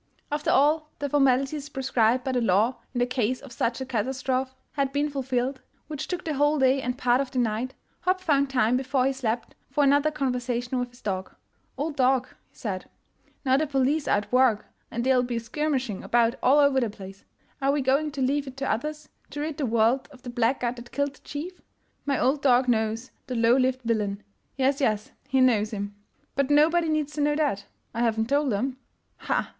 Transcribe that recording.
After all the formalities prescribed by the law in the case of such a catastrophe had been fulfilled, which took the whole day and part of the night, Hopp found time before he slept for another conversation with his dog. 1 ' Old dog, '' he said, '' now the police are at work, and they'll be skirmishing about all over the place. Are we going to leave it to others to rid the world of the black guard that killed the chief1? My old dog knows the low lived villain — yes, yes, he knows him! But nobody needs to know that — I haven't told 'em. Ha! ha!